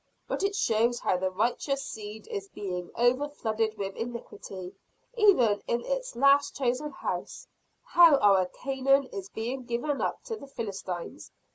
But it shows how the righteous seed is being over flooded with iniquity, even in its last chosen house; how our Canaan is being given up to the Philistines.